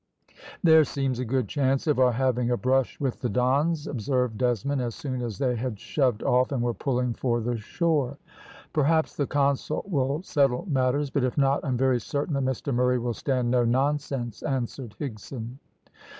"There seems a good chance of our having a brush with the Dons," observed Desmond, as soon as they had shoved off and were pulling for the shore. "Perhaps the consul will settle matters, but if not I'm very certain that Mr Murray will stand no nonsense," answered Higson.